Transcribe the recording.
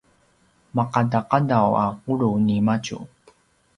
maqadaqadaw a qulu ni madju